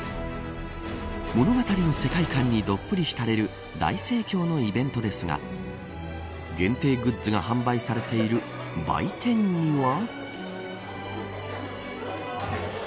物語の世界観にどっぷり浸れる大盛況のイベントですが限定グッズが販売されている売店には。